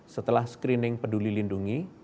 setelah screening peduli lindungi